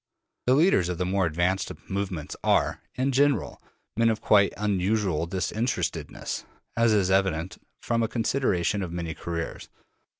The leaders of the more advanced movements are, in general, men of quite unusual disinterestedness, as is evident from a consideration of their careers.